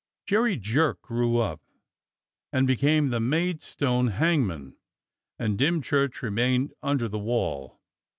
Jerry Jerk grew up and became the Maid stone hangman, and Dymchurch remained under the wall.